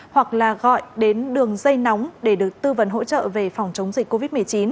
hoặc là gọi đến đường dây nóng để được tư vấn hỗ trợ về phòng chống dịch covid một mươi chín